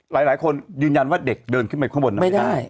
หลายคนยืนยันว่าเด็กเดินขึ้นไปข้างบนนั้นไม่ได้